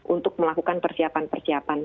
untuk melakukan persiapan persiapan